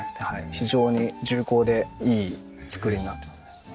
非常に重厚でいい作りになってますね。